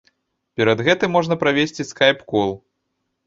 Перад гэтым можна правесці скайп-кол.